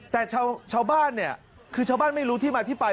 แต่ชาวบ้านเนี่ยคือชาวบ้านไม่รู้ที่มาที่ไป